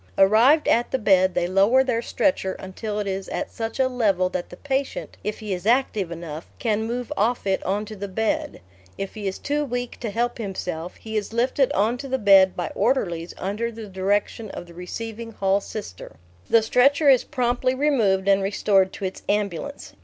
Arrived at the bed, they lower their stretcher until it is at such a level that the patient, if he is active enough, can move off it on to the bed; if he is too weak to help himself he is lifted on to the bed by orderlies under the direction of the receiving hall Sister. The stretcher is promptly removed and restored to its ambulance.